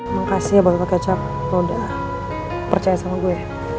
makasih ya pak kecap lo udah percaya sama gue